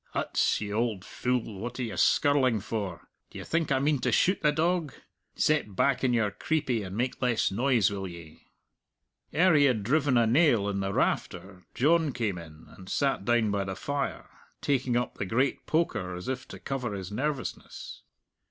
"Huts, you auld fule, what are you skirling for? D'ye think I mean to shoot the dog? Set back on your creepie and make less noise, will ye?" Ere he had driven a nail in the rafter John came in, and sat down by the fire, taking up the great poker, as if to cover his nervousness.